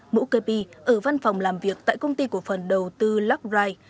mũ kê bi ở văn phòng làm việc tại công ty của phần đầu tư lockright